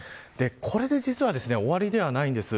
これで実は終わりではないんです。